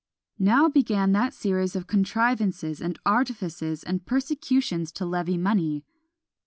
Now began that series of contrivances, and artifices, and persecutions to levy money.